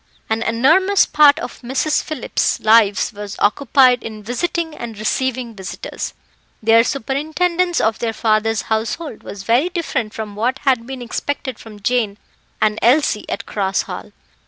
An enormous part of the Misses Phillips' lives was occupied in visiting and receiving visitors. Their superintendence of their father's household was very different from what had been expected from Jane and Elsie at Cross Hall.